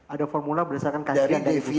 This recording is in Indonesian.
ada formula berdasarkan kajian dari ibu vera